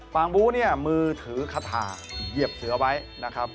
บู้เนี่ยมือถือคาถาเหยียบเสือไว้นะครับ